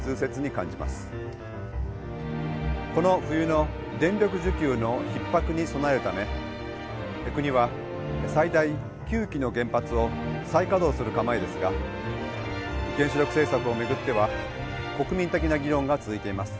この冬の電力需給のひっ迫に備えるため国は最大９機の原発を再稼働する構えですが原子力政策を巡っては国民的な議論が続いています。